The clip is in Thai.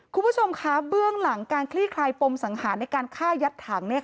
คุณผู้ชมคะเบื้องหลังการคลี่คลายปมสังหารในการฆ่ายัดถัง